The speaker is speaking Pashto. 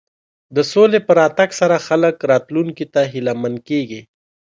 د سولې په راتګ سره خلک راتلونکي ته هیله مند کېږي.